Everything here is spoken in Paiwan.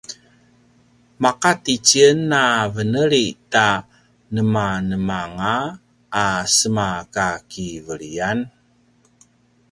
maqati tjen a veneli ta nemanemanga a sema kakiveliyan